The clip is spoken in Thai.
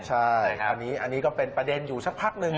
ใช่คราวนี้อันนี้ก็เป็นประเด็นอยู่สักพักหนึ่ง